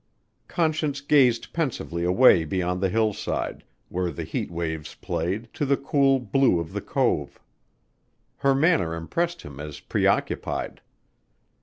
Conscience gazed pensively away beyond the hillside, where the heat waves played, to the cool blue of the cove. Her manner impressed him as preoccupied.